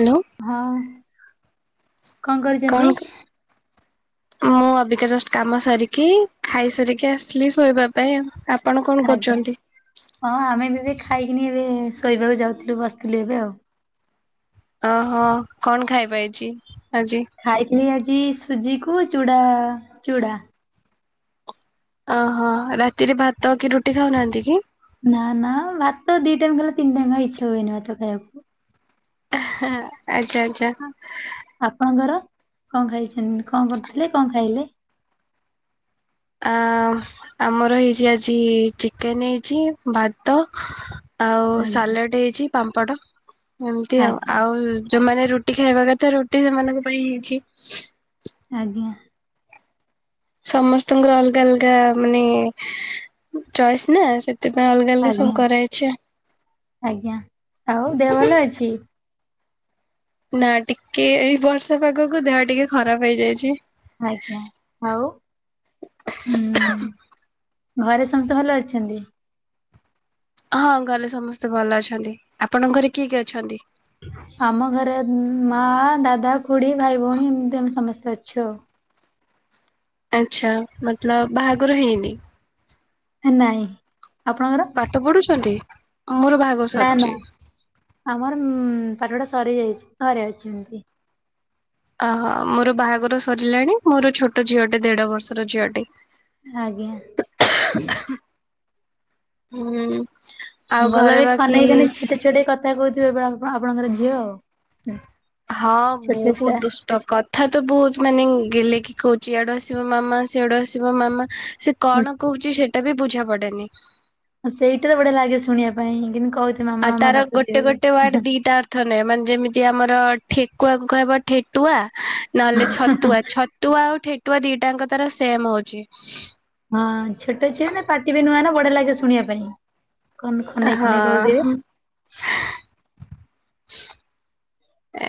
ଆଲୋ। ହଁ, କଣ କରି ଚ଼ନ୍ତି? ମୁଁ ଅବିକା ଜଷ୍ଟ କାମ ସାରିକି ଖାଇ ସାରିକି ଆସିଲି ଶୋଇବା ପାଇଁ ଆଉ। ଆପଣ କଣ ଆଜ୍ଞା କରୁଚନ୍ତି? ହଁ ଆମେ ବି ଏବେ ଖାଇକିନି ଏବେ ଶୋଇବାକୁ ଯାଉଥିଲୁ ବସିଥିଲୁ ଏବେ ଆଉ। ଅହ କଣ ଖାଇବା ହେଇଚି ଆଜି? ଖାଇଥିଲି ଆଜି ସୁଜି କୁ ଚୁଡା-ଚୁଡ଼ା। ଓହୋ, ରାତିରେ ଭାତ କି ରୁଟି ଖାଉନାହାନ୍ତି କି? ନା-ନା ଭାତ ଦି ଟାଇମ୍ ଖାଇଲେ ତିନି ଟାଇମ୍ ଆଉ ଇଚ୍ଛା ହୁଏନି ଭାତ ଖାଇବାକୁ। ଏ-ହେ-ହେ ଆଚ୍ଛା-ଆଚ୍ଛା। ଆପଣଙ୍କର କଣ ଖାଇଚନ୍ତି କଣ କରୁଥିଲେ କଣ ଖାଇଲେ? ଆ ଆମର ହେଇଚି ଆଜି ଚିକେନ୍ ହେଇଚି ଭାତ ଆଉ ଆଜ୍ଞା ସାଲାଡ ହେଇଚି ପାମ୍ପଡ଼, ଏମ୍ତି ଆଜ୍ଞା ଆଉ-ଆଉ ଯୋଉମାନେ ରୁଟି ଖାଇବା କଥା ରୁଟି ସେମାନଙ୍କ ପାଇଁ ହେଇଚି। ଆଜ୍ଞା। ସମସ୍ତଙ୍କର ଅଲଗା-ଅଲଗା ମାନେ ଚଏସ୍ ନା ସେ ସେଥିପାଇଁ ଅଲଗା-ଅଲଗା ଆଜ୍ଞା ସବୁ କରାହେଇଚି ଆଉ। ଆଜ୍ଞା, ଆଉ ଦେହ ଭଲ ଅଛି? ନାଁ ଟିକେ ଏଇ ବର୍ଷା ପାଗକୁ ଦେହ ଟିକେ ଖରାପ ହେଇଯାଇଚି। ଆଜ୍ଞା, ଆଉ ହୁଁ, ଘରେ ସମସ୍ତେ ଭଲ ଅଛନ୍ତି? ହଁ ଘରେ ସମସ୍ତେ ଭଲ ଅଛନ୍ତି, ଆପଣଙ୍କ ଘରେ କିଏ-କିଏ ଅଛନ୍ତି? ଆମ ଘରେ ମା, ଦାଦା, ଖୁଡି, ଭାଇ, ଭଉଣୀ ଏମ୍ତି ଆମେ ସମସ୍ତେ ଅଛୁ ଆଉ। ଆଚ୍ଛା, ମତଲବ୍ ବାହାଘର ହେଇନି? ହେ ନାଇଁ, ଆପଣଙ୍କର? ପାଠ ପଢୁଛନ୍ତି, ମୋର ବାହା ନାଁ-ନାଁ ଆମର ଉଁ ପାଠପଢା ସରି ଯାଇଛି, ଘରେ ଅଛି ଏମ୍ତି। ଓହୋ, ମୋର ବାହାଘର ସରିଲାଣି ମୋର ଛୋଟ ଝିଅଟେ ଦେଢ ବର୍ଷର ଝିଅଟେ। ଆଜ୍ଞା। ହୁଁ। ଆଉ ଭଲ ଘରେ ବି ବାକି ଖନେଇ-ଖନେଇ ଛୋଟେଇ-ଛୋଟେଇ କଥା କହୁଥିବ ଏବେ ଆପଣଙ୍କର ଝିଅ ଆଉ। ହଁ, ଛୋଟ ବହୁତ୍ ଛୁଆ ଦୁସ୍ ଟ କଥା ତ ବହୁତ୍ ମାନେ ଗେହ୍ଲେଇ କି କହୁଚି, ଇଆଡୁ ଆସିବ ମାମା ସିଆଡୁ ଆସିବ ମାମା ସେ ହୁଁ, କଣ କହୁଚି ସେଟା ବି ବୁଝା ପଡେନି। ସେଇାଟାରେ ବଢିଆ ଲାଗେ ଶୁଣିବା ପାଇଁ, କେନ୍ତି [unintelligible] ଆଉ ତାର ଗୋଟେ-ଗୋଟେ ୱାର୍ଡ ଦିଟା [unintelligible] ମାନେ ଯେମିତି ଆମର ଠେକୁଆକୁ କହିବ ଠେଟୁଆ ନହେଲେ ଛତୁଆ ଛ ତୁଆ ଆଉ ଠେଟୁଆ ଦିଟାଙ୍କ ତାର ସେମ୍ ହଉଚି। ହଁ, ଛୋଟ ଛୁଆ ନା ପାଟି ବି ନୁଆ ନା ବଢିଆ ଲାଗେ ଶୁଣିବା ପାଇଁ। କନ୍ ଖନେଇ-ଖନେଇ କହୁଥିବେ।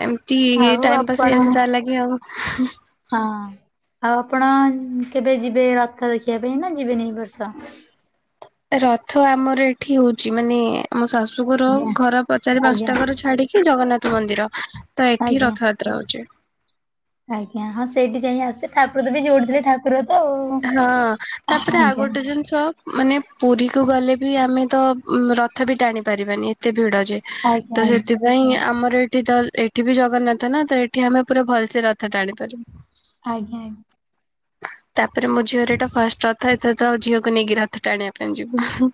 ଏମ୍ତି ଆଉ ଟାଇମ୍ ପାସ୍ ଆପଣ ହେଇଯାଉଛି ତା ଲାଗି ଆଉ। ହଁ, ଆଉ ଆପଣ କେବେ ଯିବେ ରଥ ଦେଖିବା ପାଇଁ, ନା ଯିବେନି ବର୍ଷ? ରଥ ଆମର ଏଠି ହଉଚି, ମାନେ ଆମ ଶାଶୁଘର ଆଜ୍ଞା ଘର ଚାରି ଆଜ୍ଞା ପାଞ୍ଚଟା ଘର ଛାଡିକି ଜଗନ୍ନାଥ ମନ୍ଦିର, ତ ଏଠି ଆଜ୍ଞା। ରଥ ଯାତ୍ରା ହଉଚି। ଆଜ୍ଞା, ହଁ ସେଇଠି ଯାଇଁ ଆସେ ଠାକୁର ବି ଯୋଉଠି [unintelligible] ଠା କୁର ତ ଆଉ। ହଁ, ତାପରେ ଆଉ ଆଜ୍ଞା ଗୋଟେ ଜିନିଷ ମାନେ ପୁରୀକୁୁ ଗଲେ ବି ଆମେ ତ ରଥ ବି ଟାଣି ପାରିବାନି ଏତେ ଭିଡ ଯେ। ତ ଆଜ୍ଞା ସେଥିପାଇଁ ଆମର ଏଠି ତ ଏଠି ବି ଜଗନ୍ନାଥ ନା ତ ଏଠି ଆମେ ପୁରା ଭଲସେ ରଥ ଟାଣିପାରିବୁ। ଆଜ୍ଞା ଆଜ୍ଞା। ତାପରେ ମୋ ଝିଅର ଏଇଟା ଫାଷ୍ଟ ରଥ ଏଥ ତ ଆ ଝିଅକୁ ନେଇକି ରଥ ଟା ଆଣିବା ପାଇଁ ଯିବୁ।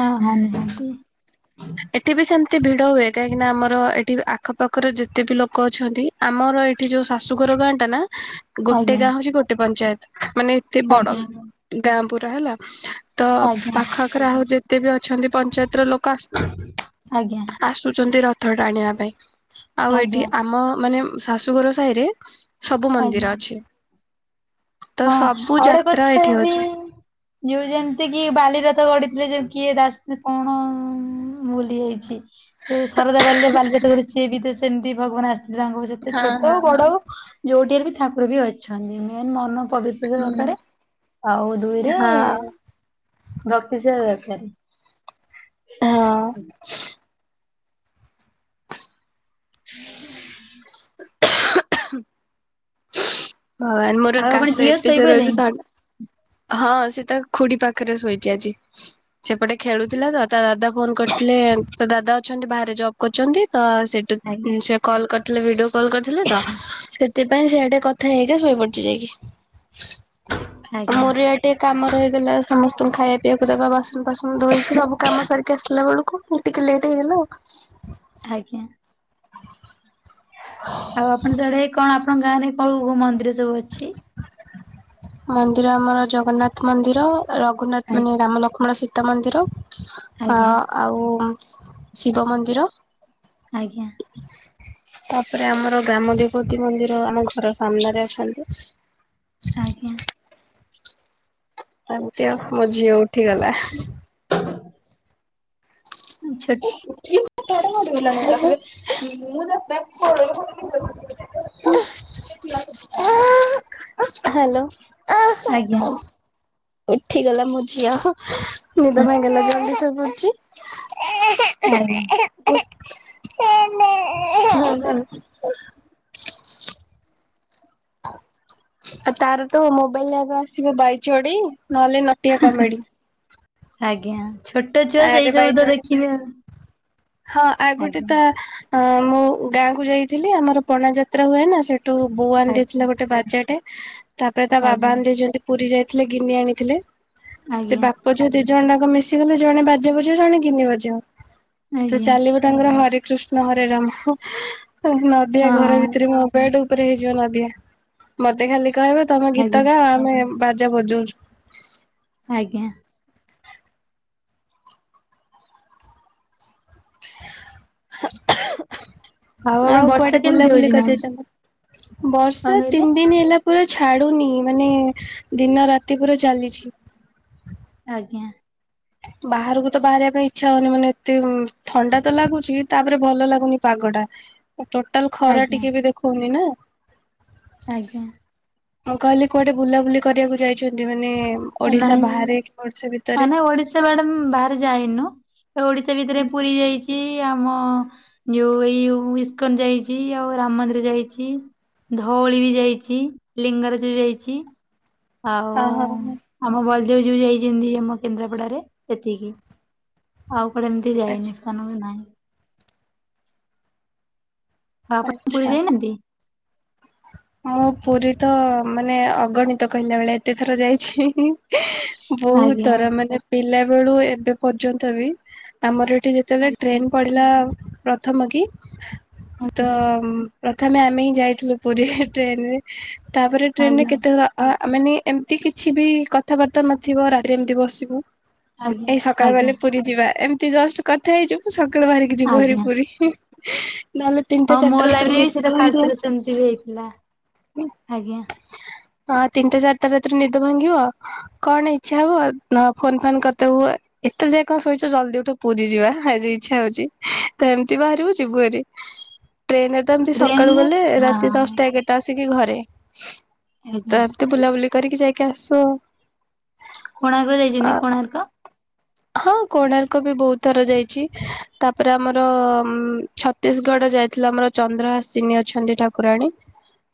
ହଁ ହଁ ନିହାତି। ଏଠି ବି ସେମତି ଭିଡ ହୁଏ, କାହିଁକିନା ଆମର ଏଠି ଆଖପାଖର ଯେତେ ବି ଲୋକ ଅଛନ୍ତି ଆମର ଏଇଠି ଯୋଉ ଶାଶୁଘର ଗାଁ ଟା ନା। ଗୋଟେ ଆଜ୍ଞା ଗାଁ ହଉଛି ଗୋଟେ ପଞ୍ଚାୟତ ମାନେ ଏତେ ବଡ ଆଜ୍ଞା ଗାଁ ପୁରା ହେଲା। ତ ଆଜ୍ଞା ପାଖ ଆଖରେ ଆଉ ଯେତେ ବି ଅଛନ୍ତି ପଞ୍ଚାୟତ ର ଲୋକ ଆ ଆଜ୍ଞା। ଆସୁଛନ୍ତି ରଥ ଟା ଆଣିବା ପାଇଁ, ଆଉ ଏଠି ଆଜ୍ଞା ଆମ ମାନେ ଶାଶୁଘର ସାହିରେ ସବୁ ଆଜ୍ଞା ମନ୍ଦିର ଅଛି। ତ ହଁ, ସବୁ ଆଉଡେ ଯାତ୍ରା କଥା ଏଠି ବି ହଉଛି। ଯୋଉ ଯେମିତି କି ବାଲି ରଥ ଗଡିଥିଲେ ଯୋଉ କିଏ ଦାସ କଣ ଭୁଲି ଯାଇଚି। ଯ ଶରଦା ବାଲିରେ ବାଲିଯାତରେ ସିଏ ବି ତ ସେମିତି ଭଗବାନ ଆସିଥିଲେ ତାଙ୍କ ଯେତେ ହଁ ହଁ ଛୋଟଉ ହଁ ବଡଉ ଯୋଉଠି ହେଲେ ବି ଠାକୁର ବି ଅଛନ୍ତି ମେନ୍ ମନ ପବି ହୁଁ। ଦରକାରରେ ଆଉ ଦୁଇରେ ହଁ ଭକ୍ତି ଥିବା ଦରକାର। ହଁ। [inaudible] [unintelligible] ହଁ, ଆନ ମୋର ଆଉ ଆପଣ କାଶ ଝିଅ ଏତେ ଜୋରେ ହୋଉଛି ଶୋଇପଇଲେଣି? ଥଣ୍ଡା ହଁ, ସେ ତା ଖୁଡି ପାଖରେ ଶୋଇଛି ଆଜି। ସେପଟେ ଖେଳୁଥିଲା ତ ତା ଦାଦା ଫୋନ କରିଥିଲେ ତା ଦାଦା ଅଛନ୍ତି ବାହାରେ ଜବ୍ କରିଛନ୍ତି, ତ ସେଠ ଆଜ୍ଞା ସେ କଲ୍ କରିଥିଲେ ଭିଡିଓ କଲ୍ କରିଥିଲେ ତ ସେଥିପାଇଁ ସିଆଡେ କ ଥା ହେଇକା ଶୋଇ ପଡଛି ଯାଇକି ଆଜ୍ଞା ମୋର ୟା ଟିକେ କାମ ରହିଗଲା ସମସ୍ତଙ୍କୁ ଖାଇବା ପିଇଆକୁ ଦବା, ବାସନ ଫାସନ ଧୋଇକି ସବୁ କାମ ସାରିକି ଆସିଲା ବେଳକୁ। ଟିକେ ଲେଟ୍ ହେଇଗଲା। ଆଜ୍ଞା। [inaudible] ଆଉ ଆପଣ ସେଆଡେ କଣ ଆପଣଙ୍କ ଗାଁ ରେ କଉ କଉ ମନ୍ଦିର ସବୁ ଅଛି? ମନ୍ଦିର ଆମର ଜଗନ୍ନାଥ ମନ୍ଦିର, ରଘୁନାଥ, ମାନେ ଆଜ୍ଞା ରାମ ଲକ୍ଷ୍ମଣ ସୀ ତା ମନ୍ଦିର, ଆ ଆଜ୍ଞା ଆଉ ଶିବ ମନ୍ଦିର। ଆଜ୍ଞା। ତାପରେ ଆମର ଗ୍ରାମ ଦେବତୀ ମନ୍ଦିର ଆମ ଘର ସାମ୍ନାରେ ଅଛନ୍ତି। ଆଜ୍ଞା। ଏମିତି ଆଉ ମୋ ଝିଅ ଉଠିଗଲା। ଆଚ୍ଛା। [unintelligible] [unintelligible] ହାଲୋ। ଆଜ୍ଞା ଉଠିଗଲା ମୋ ଝିଅ ହ ନିଦ ଭାଙ୍ଗିଗଲା ଜଲଦି ଶୋଇପଡିଚି। ଆଜ୍ଞା। [unintelligible] ଆଉ ତାର ତ ମୋବାଇଲରେ ଆଗ ଆସିବ ବାଇ ଚଢ଼େଇ ନହେଲେ ନଟିଆ କମେଡି। ଆଜ୍ଞା ଛୋଟ ଛୁଆ ସେଇ ଆରେ ଭାଇ ସବୁ ତ ଯୋଡେ ଦେଖିବି ଆଉ। ହଁ ଆଉ ଗୋଟେ ଆଜ୍ଞା ତା। ଅଁ ମୁଁ ଗାଁକୁୁ ଯାଇଥିଲି ଆମର ପଣା ଯାତ୍ରା ହୁଏ ନା ସେଠ ଠୁ ବୋଉ ଆଣି ଆଜ୍ଞା ଦେଇେଥିଲା ଗୋଟେ ବାଜାଟେ ତାପରେ ତା ବାବା ଆଜ୍ଞା ଆଣିଦେଇଚନ୍ତି। ପୁରୀ ଯାଇଥିଲେ ଗିନି ଆଣିଥିଲେ ସେ ଆଜ୍ଞା ବାପ ଝିଅ ଦି ଜଣ ଯାକ ମିଶି ଗଲେ। ଜଣେ ବାଜା ବଜେଇବ ଜଣେ ଗିନି ବଜେଇବ ତ ଆଜ୍ଞା ଚାଲିବ। ତାଙ୍କର ହରେ କୃଷ୍ଣ ହରେ ରାମ ନଦିଆ ଘର ହଁ ଭିତରେ ମୁଁ। ବେଡ଼ ଉପରେ ହେଇଯିବ ନଦିଆ ମତେ ଖାଲି କହିବ ତମେ ଗୀତ ଆଜ୍ଞା ଗାଅ ଆମେ ବାଜା ବଜଉଚୁ। ଆଜ୍ଞା ଆଉ ଆପଣ ଆଉ ବର୍ଷା କୁଆଡେ କେମିତି ହଉଛି ବୁଲାବୁଲି ମ୍ୟାମ୍? କରିଯାଇଚନ୍ତି। କଣ ବର୍ଷା କହିଲେ? ତିନି ଦିନ ହେଲା। ପୁରା ଛାଡୁନି ମାନେ ଦିନ ରାତି ପୁରା ଚାଲିଛି। ଆଜ୍ଞା ବାହାରକୁ ତ ବାହାରିବା ପାଇଁ ଇଚ୍ଛା ହଉନି ମାନେ ଏତେ-ମ ଥଣ୍ଡା ତ ଲାଗୁଛି ତାପରେ ଭଲ ଲାଗୁନି ପାଗ ଟା। ଟୋଟାଲି ଖରା ଆଜ୍ଞା ଟିକେ ବି ଦେଖଉନି ନା। ଆଜ୍ଞା। ମୁଁ କହିଲି କୁଆଡେ ବୁଲାବୁଲି କରିବାକୁ ଯାଇଛନ୍ତି, ମାନେ ଓଡିଶା ନାଇଁ ବାହାରେ କି ଓଡିଶା ଭିତରେ। ମାନେ ଓଡିଶା ବାହାରେ ଯାଇନୁ ଏ ଓଡିଶା ଭିତରେ ପୁରୀ ଯାଇଚି। ଆମ ନିଉ ଇଉ ଇସ୍କନ ଯାଇଛି ଆଉ ରାମ ମନ୍ଦିର ଯାଇଛିୈ। ଧଉଳି ବି ଯାଇଚି ଲିଙ୍ଗରାଜ ବି ଯାଇଚି। ଆଉ ଆ ହୋ ହୋ। ଆମ ବଳଦେବଜୀଉ ଯାଇଛନ୍ତି ଆମ କେନ୍ଦ୍ରାପଡାରେ ଏତିକି ଆଉ କୁଆଡେ ଏମିତି ଆଚ୍ଛା ଯାଇନି ସ୍ଥାନ ବି ନାହିଁ। ଆଉ ଆପଣ ପୁରୀ ଆଚ୍ଛା। ଯାଇନାହାନ୍ତି। ମୁଁ ପୁରୀ ତ ମାନେ ଅଗଣିତ କହିଲା ଭଳିଆ ଏତେଥର ଯାଇଛି। ବହୁତ ଆଜ୍ଞା ଥର ମାନେ ପିଲା ବେଳୁ ଏବେ ପର୍ଯ୍ୟନ୍ତ ବି ଆମର ଏଠି ଯେତେ ଯେତେବେଳେ ଟ୍ରେନ୍ ପଡ଼ିଲା ପ୍ରଥମ କି ତ। ଆଜ୍ଞା ଆଜ୍ଞା ପ୍ରଥମେ ଆମେ ହିଁ ଯାଇଥିଲୁ ପୁରୀ ଟ୍ରେନ୍ ରେ ତାପରେ ଟ୍ରେନରେ ଆଜ୍ଞା କେତେଥର। ଆ ମାନେ ଏମିତି କିଛି ବି କଥାବାର୍ତ୍ତା ନଥିବ ରାତିରେ ଏମିତି ବସିବୁ। ଏ ସକାଳୁ ଆଜ୍ଞା ବାହିରିଲେ ପୁରୀ ଯିବା ଏମିତି ଜଷ୍ଟ୍ କଥା ହେଇଯିବୁ ସକାଳୁ ବାହାରିକି। ଯିବ ହାରି ଆଜ୍ଞା ପୁରୀ ନହେଲେ ତିନିଟା ଚାରିଟା ରାତିରୁ ନିଦ ଭାଙ୍ଗିଯିବ। ମତେ ବି ହେଇଥିଲା ଆଜ୍ଞା। ହଁ ତିନିଟା ଚାରିଟା ରାତିରେ ନିଦ ଭାଙ୍ଗିବ। କଣ ଇଚ୍ଛା ହୁଅ ଫୋନ ଫାନ୍ କରିଦବୁ ହୁଏ। ଏତେବେଳେ ଯାଏ କଣ ଶୋଇଛ ଜଲଦି ଉଠ ପୁରୀ ଯିବା ଆଜି ଇଚ୍ଛା ହଉଛି ତ ଏମିତି ବାହାରିବୁ ଯିବୁ ହରି। ଟ୍ରେନରେ ତ ଏମିତି ସକାଳୁ ଟ୍ରେନରେ ଗଲେ ହଁ ରାତି ଦଶଟା ଏଗାରଟା। ତ ଆସିକି ଘରେ ଆଜ୍ଞା ତ ଏମିତି ବୁଲାବୁଲି କରିକି ଯାଇକି ଆସୁ। କୋଣାର୍କ ଯାଇଛନ୍ତି ଆଉ କୋଣାର୍କ। ହଁ କୋଣାର୍କ ବି ବହୁତ ଥର ଯାଇଛି। ତା ପରେ ଆମର ଉ ଛତିଶଗଡ ଯାଇଥିଲା ଆମର ଚନ୍ଦ୍ର ହସିିନୀ ଅଛନ୍ତି ଠାକୁରାଣୀ।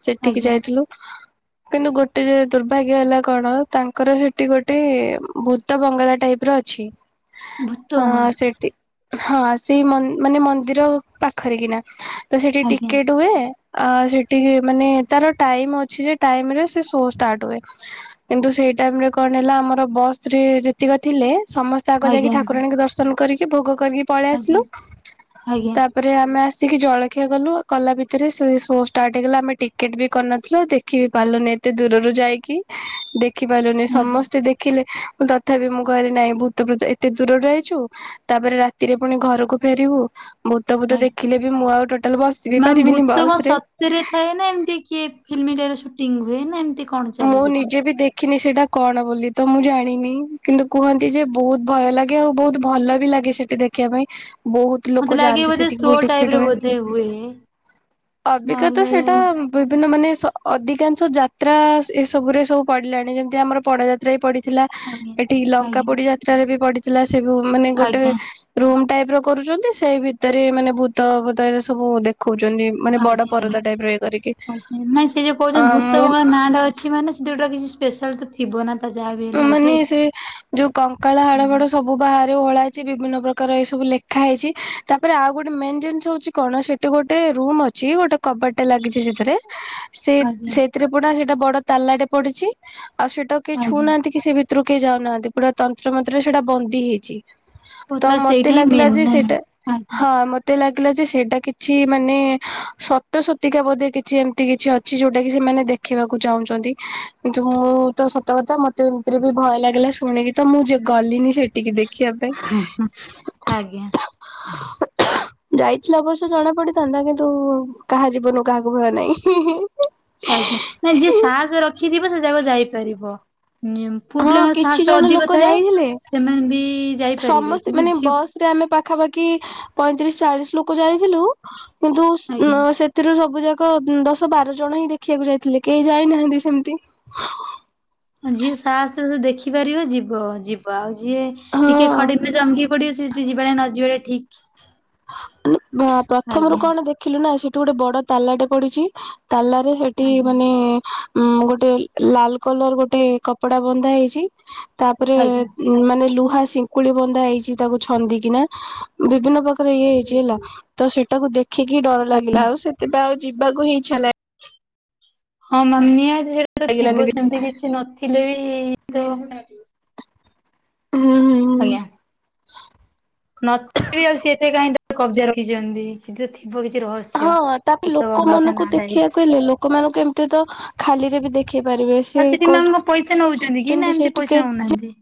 ସେଠିକି ଆଜ୍ଞା ଯାଇଥିଲୁ। କିନ୍ତୁ ଗୋଟେ ଯେ ଦୁର୍ଭାଗ୍ୟ ହେଲା କଣ ତାଙ୍କର ସେଠି ଗୋଟେ ଭୂତ ବଙ୍ଗଳା ଟାଇପ୍ ର ଅଛି। ଛି ଭୂତ ଆଁ ବଙ୍ଗଳା ସେଠି ହଁ ସେଇ ମାନେ ମନ୍ଦିର ପାଖରେ କିନା ତ ସେଠି ଆଜ୍ଞା ଟିକେଟ ହୁଏ। ଆ ସେଠିକି ମାନେ ତାର ଟାଇମ୍ ଅଛି ଯେ ଟାଇମ୍ ରେ ସେ ଶୋ ଷ୍ଟାର୍ଟ ହୁଏ। କିନ୍ତୁ ସେଇ ଟାଇମ୍ ରେ କଣ ହେଲା ଆମର ବସ୍ ରେ ଯେତିକ ଥିଲେ। ସମସ୍ତେ ଆଗ ଯାଇକି ଆଜ୍ଞା ଆଜ୍ଞା ଠାକୁରାଣୀ କୁ ଦର୍ଶନ କରିକି ଭୋଗ କରିକି ପଳେଇ ଆଜ୍ଞା ଆସିଲୁ ଆଜ୍ଞା ତା ପରେ ଆମେ ଆସିକି ଜଳଖିଆ ଗଲୁ କଲା ଭିତରେ ସେ ସୋ ଷ୍ଟାର୍ଟ ହେଇଗଲା ଆମେ ଟିକେଟ ବି କରି ନ ଥିଲୁ। ଦେଖିବ ବି ପାରିଲୁନି ଏତେ ଦୂରରୁ ଯାଇକି। ଦେଖି ପାରିଲୁନି ଆଜ୍ଞା ସମସ୍ତେ ଦେଖିଲେ ତଥାପି ମୁଁ ଘରେ ନାଇଁ ଭୂତ ପ୍ରେତ ଏତେ ଦୂରରୁ ଆଇଛୁ ତାପରେ ରାତିରେ ପୁଣି ଘରକୁ ଫେରିବୁ। ଭୂତ ଫୁତ ଦେଖିଲେ ବି ମୁଁ ଆଉ ଟୋ ନା ଭୂତ କଣ ସତରେ ଥାଏ ନା ଏମିତି କିଏ ଫିଲ୍ମ ରେ ସୁଟିଙ୍ଗ ହୁଏ ନା ଏମତି। ମୁଁ ନିଜେ ବି ଦେଖି ଦେଖିନି ସେଇଟା କଣ ବୋଲି ତ ମୁଁ ଜାଣିନି କିନ୍ତୁ କୁହନ୍ତି ଯେ ବହୁତ ଭୟ ଲାଗେ ଆଉ ବହୁତ ଭଲ ବି ଲାଗେ ସେଟା ଦେଖିବା ପାଇଁ ବହୁତ ମତେ ଲୋକ ଲାଗେ ଯାଆନ୍ତି ବୋଧେ ସେଠିକି ଶୋ ବି ଟାଇପ ର ଟିକେଟ ହୁଏ ବୋଧେ ହୁଏ ଅବିକା ତ ନହେଲେ ସେଇଟା ବିଭିନ୍ନ ମାନେ ଅଧିକାଂଶ ଯାତ୍ରା ଏ ସବୁରେ ସବୁ ପଡିଲାଣି ଯେମିତି ଆମର ପଡେ ଯାତ୍ରା ଯାତ୍ର ବି ପଡିଥିଲା ଆଜ୍ଞା। ଏଠି ଲଙ୍କା ଆଜ୍ଞା ପୋଡି ଯାତ୍ରାରେ ବି ପଡିଥିଲା ସେବୁ ମାନେ ଗୋଟେ ଆଜ୍ଞା ରୁମ ଟାଇପ୍ ର କରୁଛନ୍ତି ସେଇ ଭିତରେ ମାନେ ଭୂତ ଫୁତ ସବୁ ଦେଖଉଛନ୍ତି। ମାନେ ବଡ ଆଜ୍ଞା ପରଦା ଟାଇପ ର ଇଏ କରିକି ଆଜ୍ଞା ନାଇଁ ସେ ଯୋଉ କହୁଛନ୍ତି ଆ ଭୂତ ମୁଁ ବଙ୍ଗଳା ନାଁଟା ଅ ଅଛି ମାନେ ଯୋଉ ଟା କି ସ୍ପେ ସାଲ୍ ମାନେ ଥିବ ନା ତା ଯା ଓ ମାନେ ସେ ଯୋଉ କଙ୍କାଳ ହାଡ ଆଜ୍ଞା ଫାଡ଼ ସବୁ ମୁଁ ବାହାରୁ ଓଳା ହେଇଛି ବିଭିନ୍ନ ପ୍ରକାର ଏ ସବୁ ଲେଖା ହେଇଛି ତାପରେ ଆଉ ଗୋଟେ ମେନ୍ ଜିନିଷ ହଉଛି କଣ ସେଠ ସେଠି ଗୋଟେ ରୁମ ଅଛି ଗୋଟେ କବାଟ ଟେ ଲାଗିଛି ସେଥିରେ। ସେଇ ଆଜ୍ଞା ସେଥିରେ ପଡା ସେଇଟା ବଡ ତାଲା ଟେ ପଡିଛି ଆଉ ସେଇଟା କେହି ଆଜ୍ଞା ଛୁଁନାହାନ୍ତି କି ସେ ଭିତ ଭିତରକୁ କେହି ଯାଉନାହାନ୍ତି ପୁରା ତନ୍ତ୍ର ମନ୍ତ୍ର ସେଇଟା ବନ୍ଦୀ ହେଇଛି। ଓ ତ ତା ମତେ ସେଇଟା ହିଁ ଲାଗିଲା ମେନ୍ ଯେ ନାହିଁ ସେଇଟା ଆଜ୍ଞା ହଁ ମତେ ମତେ ଲାଗିଲା ଯେ ସେଇଟା କିଛି ମାନେ ସତ ସତିକା ବୋଧେ କିଛି ଏମିତି କିଛି ଅଛି ଯୋଉଟା କି ସେମାନେ ଦେଖ ଦେଖିବାକୁ ଚାହୁଁଛନ୍ତି କିନ୍ତୁ ମୁଁ ତ ସତ କଥା ମତେ ଏମିତିରେ ବି ଭୟ ଲାଗିଲା ଶୁଣିକି ତ ମୁଁ ଯେ ଗଲିନି ସେଠିକି ଦେଖି ଦେଖିବା ପାଇଁ। ଆଜ୍ଞା। ଯାଇଥିଲେ ଅବଶ୍ୟ ଜଣା ପଡିଥାନ୍ତା କିନ୍ତୁ କାହା ଯିବନ କୁ କାହାକୁ ଭୟ ନାହିଁ। ଆଜ୍ଞା ନାଇଁ ଯିଏ ସାହସ ରଖିଥିବ ସେ ଜାଗା କୁ ଯାଇପାରିବ। ପୁଅ ହଁ ପିଲାଙ୍କର କିଛି ସାହସ ଜଣ ଲୋକ ଅଧିକ ଥାଏ ଯାଇଥିଲେ ସେମାନେ ବି ଯାଇପାରିବେ କିନ୍ତୁ ଝିଅ ସେଥିରେ ଆମେ ପାଖା ପାଖି ପଇଁତିରିଶ ଚାଳିଶ ଲୋକ ଯାଇଥିଲୁ କିନ୍ତୁ ସେ ଆଜ୍ଞା ସେଥିରୁ ସବୁ ଯାକ ଦଶ ବାର ଜଣ ହିଁ ଦେଖିବାକୁ ଯାଇଥିଲେ କେହି ଯାଇ ନାହାନ୍ତି ସେମିତି ଯିଏ ସାହାସ ରେ ଦେଖିପାରିବ ଯିବ ଯିବ। ୱାଉ ଆଉ ଯିଏ ଟିକେ ହଁ ଖଡିକିନା ଚମକିକି ପଡିବ ସେଠି ଯିବା ନ ଯିବାଟା ଠିକ୍। ଉଁ ବା ପ୍ରଥମରୁ କଣ ଦେଖିଲୁ ନା ସେଠୁ ଗୋଟେ ବଡ ତାଲା ଟେ ପଡିଛି। ତାଲାରେ ହେଠି ଆଜ୍ଞା ମାନେ। ଉଁ ଗୋଟେ ଲାଲ କଲର ଗୋଟେ କପଡା ବନ୍ଧା ହେଇଛି ତା ପରେ ଆଜ୍ଞା। ମାନେ ଲୁହା ଶିକୁଳି ବନ୍ଧା ହେଇଛି ତାକୁ ଛନ୍ଦିିକିନା ବିଭିନ୍ନ ପ୍ରକାର ଇଏ ହେଇଛି ହେଲା ତ ସେଇଟାକୁ ଦେଖିକି ଡର ଲାଗିଲା ଆଉ ସେଥି ପାଇଁ ଆଉ ଯିବାକୁ ହିଁ ଇଛାହେଲାନି। ହଁ ମାନିଆ ସେଟା ତ ଥିବ ଲାଗିଲାନି। ସେମିତି କିଛି ନଥିଲେ ବି ତ ହୁଁ ହୁଁ। ଆଜ୍ଞା। ନଥିବ ଆଉ ସେ ଏତେ କାହିଁ କଜ୍ୟା ରଖିଛନ୍ତି ସେ ତିରେ ଥିବ କିଛି ରହସ୍ୟ। ହଁ ତାକୁ ଭୁତ ବଙ୍ଗଳା ତା ଲୋକମାନଙ୍କୁ ନାଁ ଟା ହେଇଛି। ଦେଖିବାକୁ ହେଲେ ଲୋକମାନଙ୍କୁ ଏମିତି ତ ଖାଲି ରେ ବି ଦେଖେଇ ପାରିବେ। ସେ ଆଉ ସେଠି ମ୍ୟାମ କଣ ପଇସା ନଉଛନ୍ତି କି ନା କହୁଛନ୍ତି ସେ ଏମିତି ଟିକେ ପଇସା ନଉନାହାନ୍ତି।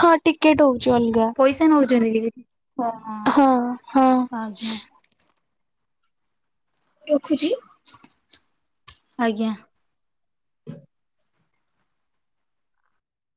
ହଁ ଟିକେଟ୍ ହଉଚି ଅଲଗା। କେତେ ନଉଛନ୍ତି ଟିକେଟେ୍? ଓହୋ ହଁ ହଁ। ଆଜ୍ଞା। ରଖୁଛି। ଆଜ୍ଞା।